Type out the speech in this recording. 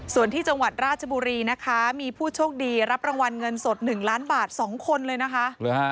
ส่วนที่จังหวัดราชบุรีนะคะมีผู้โชคดีรับรางวัลเงินสด๑ล้านบาท๒คนเลยนะคะ